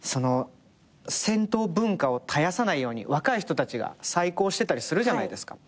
銭湯文化を絶やさないように若い人たちが再興してたりするじゃないですか。